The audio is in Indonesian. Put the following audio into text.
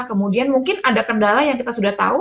kemudian mungkin ada kendala yang kita sudah tahu